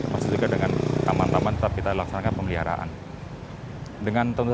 lalu juga dengan aman aman tetap kita laksanakan pemeliharaan